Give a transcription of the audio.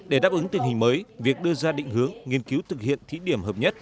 để đáp ứng tình hình mới việc đưa ra định hướng nghiên cứu thực hiện thí điểm hợp nhất